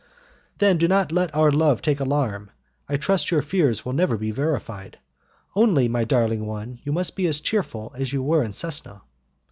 "Then do not let our love take alarm, I trust your fears will never be verified. Only, my darling one, you must be as cheerful as you were in Cesena."